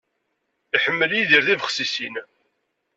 Iḥemmel Yidir tibexsisin.